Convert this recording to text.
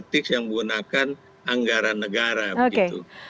itu politik yang menggunakan anggaran negara begitu